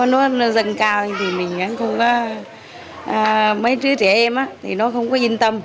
nó dần cao thì mình không có mấy trứ trẻ em thì nó không có yên tâm